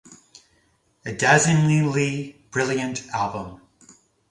A dazzlingly brilliant album.